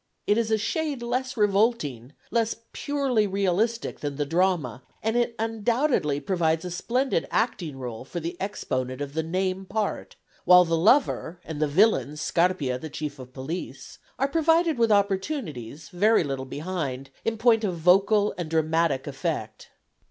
It is a shade less revolting, less purely realistic than the drama, and it undoubtedly provides a splendid acting rôle for the exponent of the name part; while the lover, and the villain Scarpia, the chief of the police are provided with opportunities, very little behind, in point of vocal and dramatic effect.